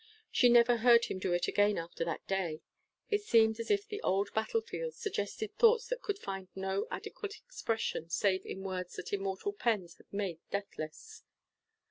She never heard him do it again after that day. It seemed as if the old battle fields suggested thoughts that could find no adequate expression save in words that immortal pens had made deathless.